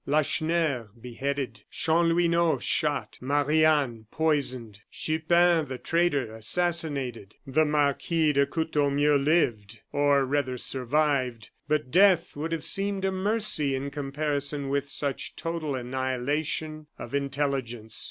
Lacheneur, beheaded. Chanlouineau, shot. Marie Anne, poisoned. Chupin, the traitor, assassinated. The Marquis de Courtornieu lived, or rather survived, but death would have seemed a mercy in comparison with such total annihilation of intelligence.